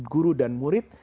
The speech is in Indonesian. guru dan murid